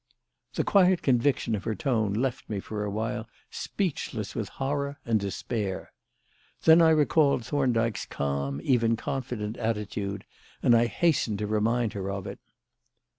The quiet conviction of her tone left me for a while speechless with horror and despair. Then I recalled Thorndyke's calm, even confident attitude, and I hastened to remind her of it.